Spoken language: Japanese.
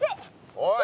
おい。